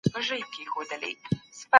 د ارغنداب سیند د طبعیت ښکلا ته تازه ګۍ ورکوي.